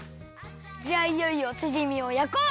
じゃいよいよチヂミをやこう！